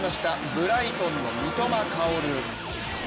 ブライトンの三笘薫。